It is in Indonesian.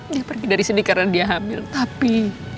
dia pergi dari sini karena dia hamil tapi